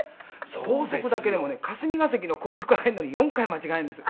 高速だけでもね霞が関の高速入るのに４回間違えるんです」